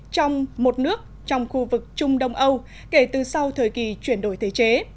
trong một nước trong khu vực trung đông âu kể từ sau thời kỳ chuyển đổi thế chế